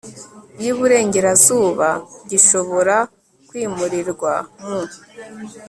y iburengerazuba gishobora kwimurirwa mu